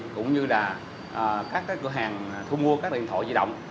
cũng như là các cửa hàng thu mua các điện thoại di động